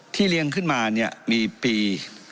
ที่เรียงขึ้นมามีปี